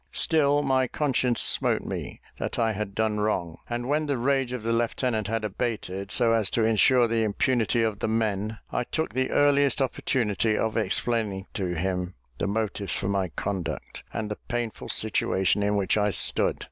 Still my conscience smote me that I had done wrong; and when the rage of the lieutenant had abated, so as to insure the impunity of the men, I took the earliest opportunity of explaining to him the motives for my conduct, and the painful situation in which I stood.